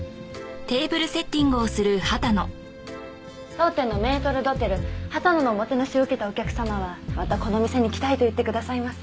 当店のメートル・ドテル羽田野のおもてなしを受けたお客様はまたこの店に来たいと言ってくださいます。